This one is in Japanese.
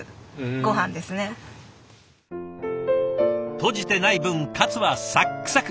とじてない分カツはサックサク！